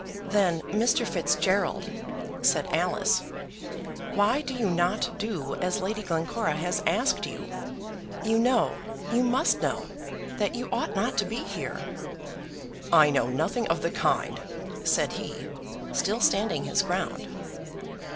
"Then, Mr. Fitzgerald," said Alice, "why do you not do as Lady Glencora has asked you? You know you must know, that you ought not to be here." "I know nothing of the kind," said he, still standing his ground.